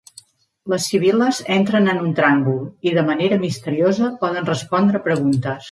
Les sibil·les entren en un tràngol i, de manera misteriosa, poden respondre preguntes.